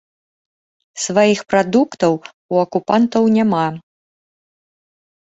Сваіх прадуктаў у акупантаў няма.